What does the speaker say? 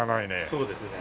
そうですね。